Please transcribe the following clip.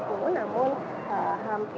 seharusnya rencananya sudah kecapin